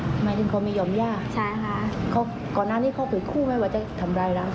หมายถึงเค้ามียอมแย่เกาะนาที่เขาหยุดคู่ไหมหรือว่าจะทำลายล้อมต้าย